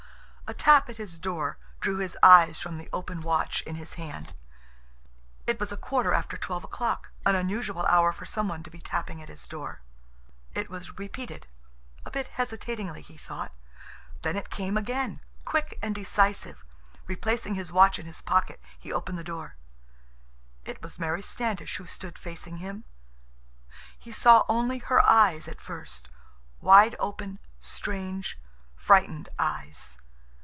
A tap at his door drew his eyes from the open watch in his hand. It was a quarter after twelve o'clock, an unusual hour for someone to be tapping at his door. It was repeated—a bit hesitatingly, he thought. Then it came again, quick and decisive. Replacing his watch in his pocket, he opened the door. It was Mary Standish who stood facing him. He saw only her eyes at first, wide open, strange, frightened eyes.